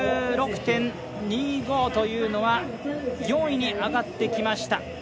１５６．２５というのは４位に上がってきました。